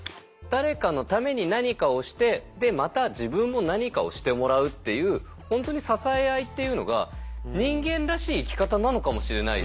誰かのために何かをしてでまた自分も何かをしてもらうという本当に支え合いっていうのが人間らしい生き方なのかもしれないよね。